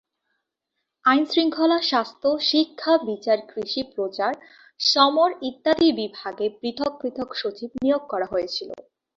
আইন-শৃঙ্খলা, স্বাস্থ্য, শিক্ষা, বিচার, কৃষি, প্রচার, সমর ইত্যাদি বিভাগে পৃথক পৃথক সচিব নিয়োগ করা হয়েছিল।